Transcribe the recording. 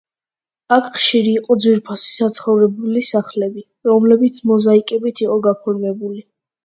აქ ხშირი იყო ძვირფასი საცხოვრებელი სახლები, რომლებიც მოზაიკებით იყო გაფორმებული.